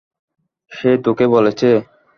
সে তোকে বলেছে?